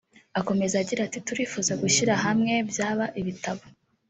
Akomeza agira ati "Turifuza gushyira hamwe byaba ibitabo